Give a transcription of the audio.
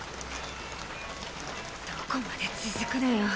どこまで続くのよ